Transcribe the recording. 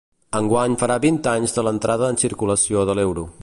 Enguany farà vint anys de l'entrada en circulació de l'euro.